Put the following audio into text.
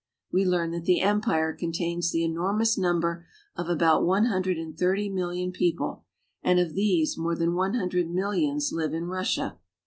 We learn that the empire contains the enormous number of about one hundred and thirty million people, and of these more than one hundred millions live in Russia.